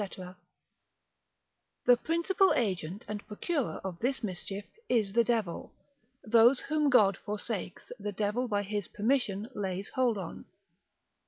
_ The principal agent and procurer of this mischief is the devil; those whom God forsakes, the devil by his permission lays hold on.